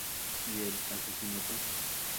Y el asesinato.